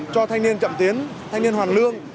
cho thanh niên chậm tiến thanh niên hoàn lương